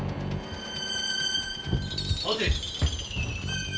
・待て！